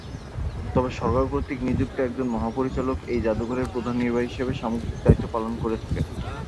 তবে সরকার কর্তৃক নিযুক্ত একজন মহাপরিচালক এই জাদুঘরের প্রধান নির্বাহী হিসেবে সামগ্রিক দায়িত্ব পালন করে থাকেন।